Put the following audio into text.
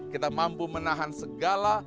kita mampu menahan segala